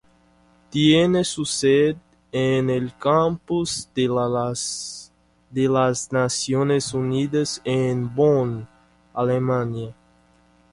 Tiene su sede en el Campus de las Naciones Unidas en Bonn, Alemania.